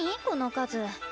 この数。